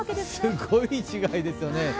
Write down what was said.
すごい違いですね。